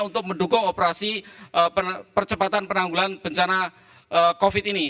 untuk mendukung operasi percepatan penanggulan bencana covid ini